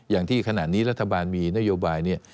อย่างที่ขณะนี้รัฐบาลมีนโยบายเนี่ย